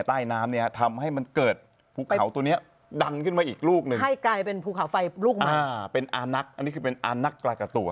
อันนี้คือเป็นอานักกระกะตัว